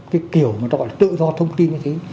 cái kiểu tự do thông tin như thế